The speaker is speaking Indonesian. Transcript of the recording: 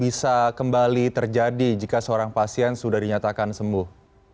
bisa kembali terjadi jika seorang pasien sudah dinyatakan sembuh